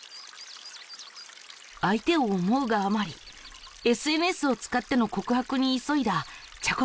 相手を思うがあまりＳＮＳを使っての告白に急いだちゃこさん。